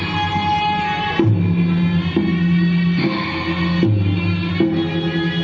สุดท้ายสุดท้ายสุดท้าย